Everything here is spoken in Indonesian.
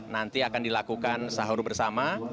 nanti akan dilakukan sahur bersama